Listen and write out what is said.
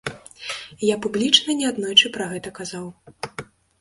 Я публічна неаднойчы пра гэта казаў.